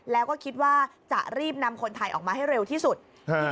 แล้วก็คิดว่าจะรีบนำคนไทยออกมาให้เร็วที่สุด